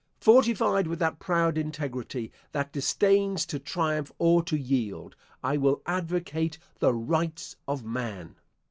Fortified with that proud integrity, that disdains to triumph or to yield, I will advocate the Rights of Man.